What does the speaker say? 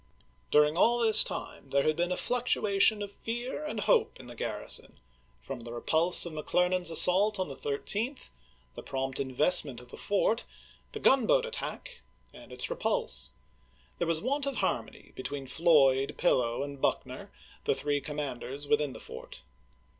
Diuiug all this time there had been a fluctuation of fear and hope in the garrison — from the repulse of McClernand's assault on the 13th, the prompt investment of the fort, the gunboat attack and its repulse. There was want of harmony between Floyd, Pniow, and Buckner, the three commanders within the fort.